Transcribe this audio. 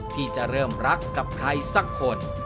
ที่จะเริ่มรักกับใครสักคน